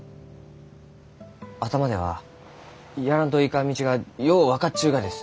頭ではやらんといかん道がよう分かっちゅうがです。